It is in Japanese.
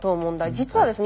実はですね